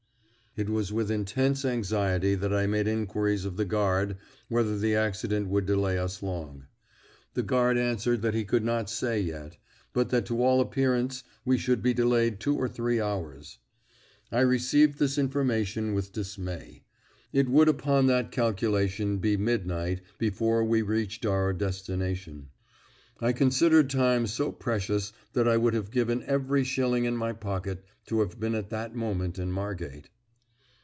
It was with intense anxiety that I made inquiries of the guard whether the accident would delay us long. The guard answered that he could not say yet, but that to all appearance we should be delayed two or three hours. I received this information with dismay. It would upon that calculation be midnight before we reached our destination. I considered time so precious that I would have given every shilling in my pocket to have been at that moment in Margate.